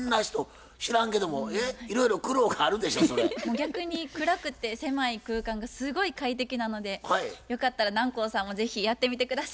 逆に暗くて狭い空間がすごい快適なのでよかったら南光さんも是非やってみて下さい。